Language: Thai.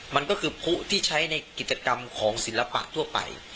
มันก็คือผู้ที่ใช้ในกิจกรรมของศิลปะทั่วไป